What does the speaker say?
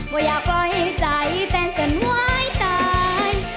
ว่าอยากปล่อยให้ใจแต่จนไหว้ตาย